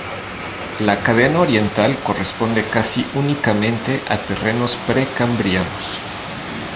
La cadena oriental corresponde casi únicamente a terrenos pre-cambrianos.